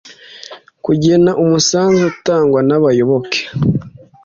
kugena umusanzu utangwa n abayoboke